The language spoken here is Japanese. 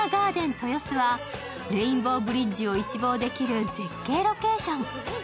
豊洲はレインボーブリッジを一望できる絶景ロケーション。